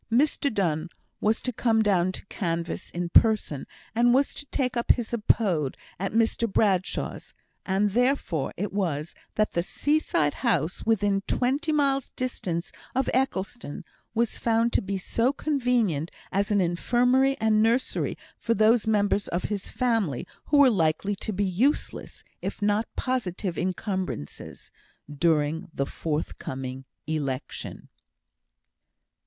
Mr Donne was to come down to canvass in person, and was to take up his abode at Mr Bradshaw's; and therefore it was that the seaside house, within twenty miles' distance of Eccleston, was found to be so convenient as an infirmary and nursery for those members of his family who were likely to be useless, if not positive encumbrances, during the forthcoming election.